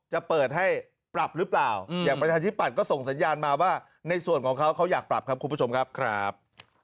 จะเปิดให้ปรับหรือเปล่าอย่างประชาธิปัตย์ก็ส่งสัญญาณมาว่าในส่วนของเขาเขาอยากปรับครับคุณผู้ชมครับ